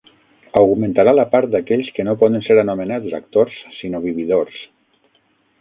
Augmentarà la part d'aquells que no poden ser anomenats actors sinó vividors.